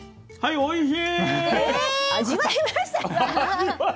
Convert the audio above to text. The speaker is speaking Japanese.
おいしい。